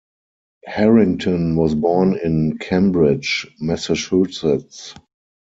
Harrington was born in Cambridge, Massachusetts.